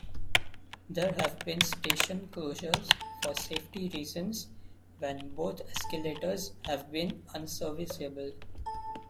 There have been station closures, for safety reasons, when both escalators have been unserviceable.